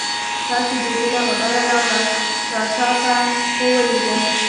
تاسې بیخي نا ببره راغلاست، ناڅاپه مو لیدل.